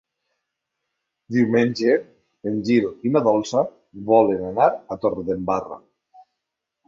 Diumenge en Gil i na Dolça volen anar a Torredembarra.